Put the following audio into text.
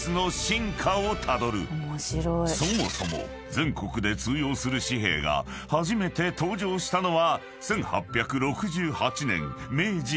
［そもそも全国で通用する紙幣が初めて登場したのは］